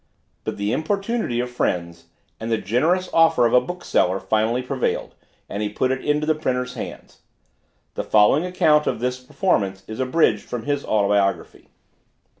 But the importunity of friends, and the generous offer of a bookseller finally prevailed, and he put it into the printer's hands. The following account of this performance is abridged from his autobiography.